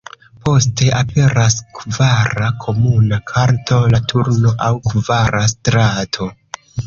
Poste, aperas kvara komuna karto, la turno aŭ 'kvara strato'.